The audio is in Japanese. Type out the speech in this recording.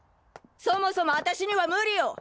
そもそも私には無理よ！